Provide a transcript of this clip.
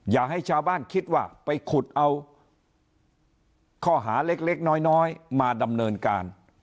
อย่าให้ชาวบ้านคิดว่าไปขุดเอาข้อหาเล็กน้อยมาดำเนินการ